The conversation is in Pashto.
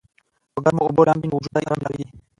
پۀ ګرمو اوبو لامبي نو وجود ته ئې ارام مېلاويږي